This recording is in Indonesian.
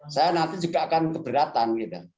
saya nanti juga akan keberatan